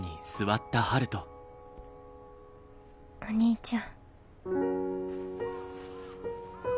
お兄ちゃん。